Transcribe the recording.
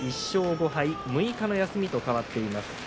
１勝５敗６日の休みと変わっています。